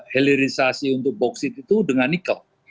hilirisasi untuk boksit itu dengan nikel